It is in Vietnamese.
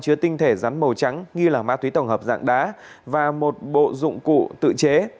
chứa tinh thể rắn màu trắng nghi là ma túy tổng hợp dạng đá và một bộ dụng cụ tự chế